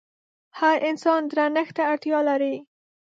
هر انسان درنښت ته اړتيا لري.